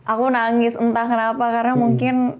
aku nangis entah kenapa karena mungkin